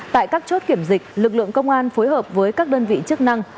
tại các chốt kiểm dịch lực lượng công an phối hợp với các đơn vị chức năng